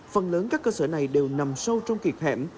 phần lớn các cơ sở này đều nằm sâu trong kiệt hẻm